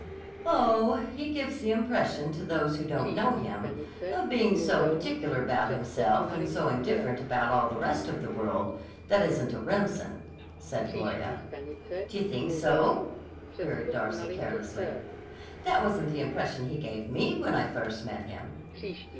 "Oh, he gives the impression to those who don't know him of being so particular about himself and so indifferent about all the rest of the world that isn't a Remsen," said Gloria. "D'you think so?" queried Darcy carelessly. "That wasn't the impression he gave me when I first met him."